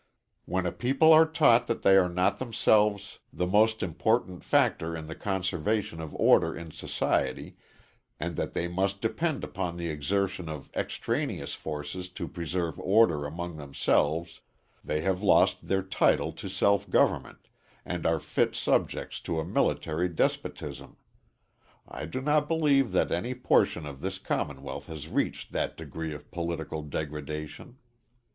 When a people are taught that they are not themselves the most important factor in the conservation of order in society, and that they must depend upon the exertion of extraneous forces to preserve order among themselves, they have lost their title to self government, and are fit subjects to a military despotism. I do not believe that any portion of this Commonwealth has reached that degree of political degradation.